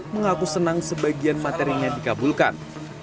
mengaku senang sebagian materinya dikabulkan